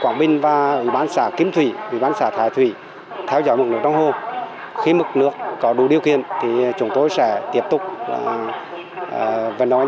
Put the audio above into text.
tuy nhiên hồ an mã ở xã kim thủy huyện lệ thủy công trình thủy lợi lớn nhất của tỉnh quảng bình